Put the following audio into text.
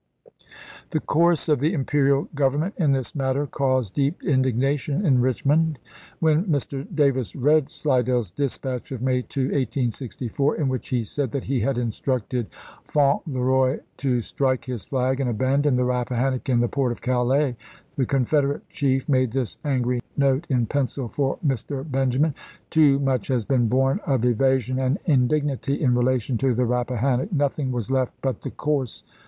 The course of the Imperial Government in this matter caused deep indignation in Richmond. When Mr. Davis read SlidelPs dispatch of May 2, 1864, in which he said that he had instructed Fauntleroy to strike his nag and abandon the Rappa hannock in the port of Calais, the Confederate chief made this angry note in pencil for Mr. Benjamin :" Too much has been borne of evasion and indig nity in relation to the Rappahannock — nothing was left but the course adopted."